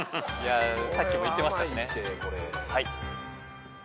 さっきもいってましたしね。